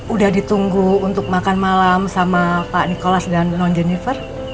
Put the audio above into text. udah ditunggu untuk makan malam sama pak nikolas dan non jennifer